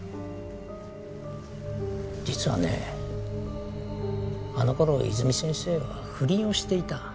実はねあの頃泉水先生は不倫をしていた。